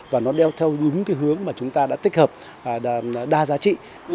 và nó đeo theo đúng cái hướng mà chúng ta đã tích hợp đa giá trị